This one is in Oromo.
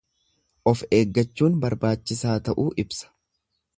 Of eegachuun barbaachisaa ta'uu ibsa.